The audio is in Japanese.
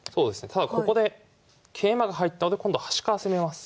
ただここで桂馬が入ったあと今度端から攻めます。